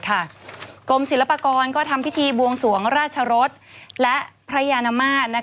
กรมศิลปากรก็ทำพิธีบวงสวงราชรสและพระยานมาตร